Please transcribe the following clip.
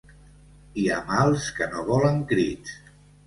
Hi ha mals que no volen crits.